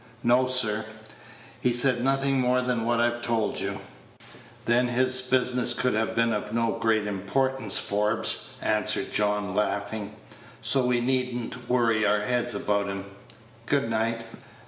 "No, sir. He said nothin' more than what I've told you." "Then his business could have been of no great importance, Forbes," answered John, laughing. "So we need n't worry our heads about him. Good night."